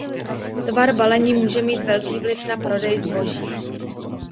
Tvar balení může mít velký vliv na prodej zboží.